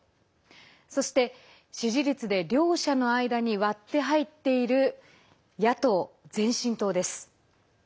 そして、支持率で両者の間に割って入っている野党前進党です。